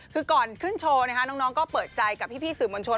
คือก่อนขึ้นโชว์น้องก็เปิดใจกับพี่สื่อมวลชน